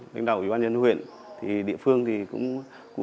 lãnh đạo ủy ban nhân huyện thì địa phương cũng cụ thể tạo ra những hình thức